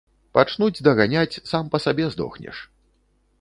Пачнуць даганяць, сам па сабе здохнеш.